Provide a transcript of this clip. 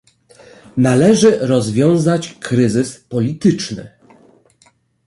Należy rozwiązać kryzys polityczny